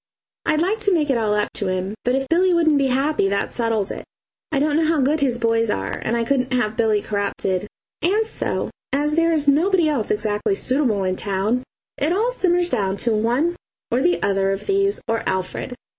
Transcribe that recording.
I'd like to make it all up to him, but if Billy wouldn't be happy, that settles it, and I don't know how good his boys are. I couldn't have Billy corrupted. And so, as there is nobody else exactly suitable in town, it all simmers down to one or the other of these or Alfred.